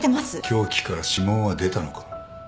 凶器から指紋は出たのか？